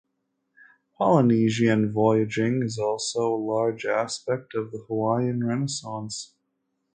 Polynesian voyaging is also a large aspect of the Hawaiian Renaissance.